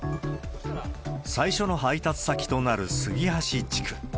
最初の配達先となる杉箸地区。